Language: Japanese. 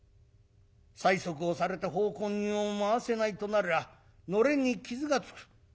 「催促をされて奉公人を回せないとなりゃのれんに傷がつく。